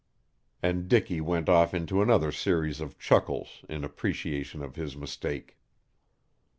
And Dicky went off into another series of chuckles in appreciation of his mistake.